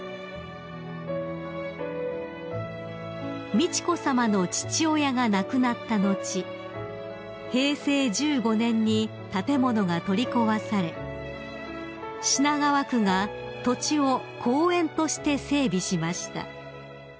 ［美智子さまの父親が亡くなった後平成１５年に建物が取り壊され品川区が土地を公園として整備しました］